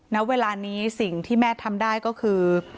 ณเวลานี้สิ่งที่แม่ทำได้ก็คือ